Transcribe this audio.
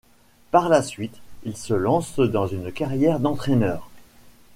Par la suite, il se lance dans une carrière d'entraîneur.